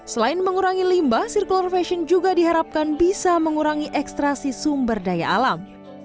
selain mengurangi limbah circular fashion juga diharapkan bisa mengurangi ekstrasi sumber daya alam